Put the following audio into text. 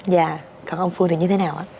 dạ còn ông phương thì như thế nào